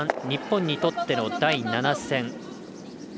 日本にとっての第７戦。